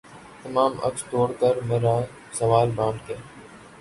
تمام عکس توڑ کے مرا سوال بانٹ کے